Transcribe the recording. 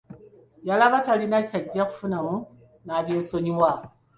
Yalaba talina kyajja kufunamu n'abyesonyiwa.